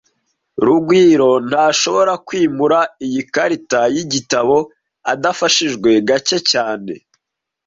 Rugwiro ntashobora kwimura iyi karita yigitabo adafashijwe gake cyane